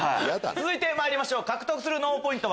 続いてまいりましょう獲得する脳ポイント